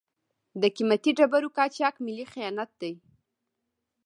د قیمتي ډبرو قاچاق ملي خیانت دی.